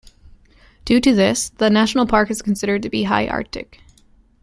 Due to this, the National Park is considered to be "high arctic".